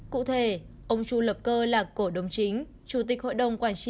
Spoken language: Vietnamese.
cụ thể ông chu lập cơ là cổ đồng chính chủ tịch hội đồng quản trị